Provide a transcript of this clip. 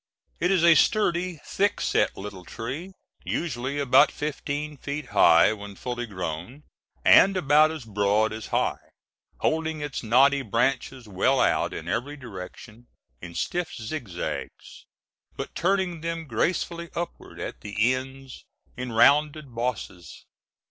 It is a sturdy, thickset little tree, usually about fifteen feet high when full grown, and about as broad as high, holding its knotty branches well out in every direction in stiff zigzags, but turning them gracefully upward at the ends in rounded bosses.